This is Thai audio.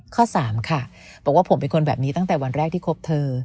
ข้อ๓ค่ะบอกว่าผมเป็นคนแบบนี้ตั้งแต่วันแรกที่คบเธอ